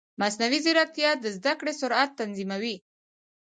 مصنوعي ځیرکتیا د زده کړې سرعت تنظیموي.